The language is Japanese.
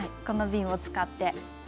このびんを使って。